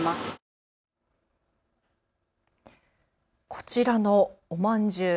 こちらのおまんじゅう。